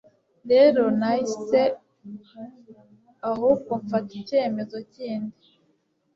Rero nahise ahubwo mfata icyemezo kindi